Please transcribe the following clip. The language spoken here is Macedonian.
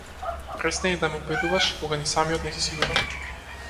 Престани да ме убедуваш кога ни самиот не си сигурен.